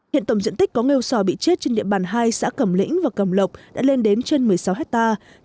hiện tổng diện tích có nghêu sò bị chết trên địa bàn hai xã cẩm lĩnh và cầm lộc đã lên đến trên một mươi sáu hectare